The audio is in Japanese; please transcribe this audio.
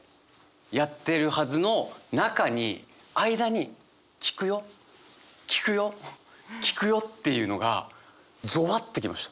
やってるはずの中に間に「聞くよ聞くよ聞くよ」っていうのがぞわって来ました。